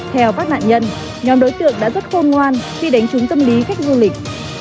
theo các nạn nhân nhóm đối tượng đã rất khôn ngoan khi đánh trúng tâm lý khách du lịch